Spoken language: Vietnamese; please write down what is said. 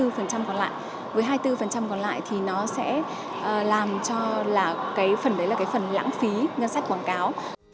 còn lại với hai mươi bốn còn lại thì nó sẽ làm cho là cái phần đấy là cái phần lãng phí ngân sách quảng cáo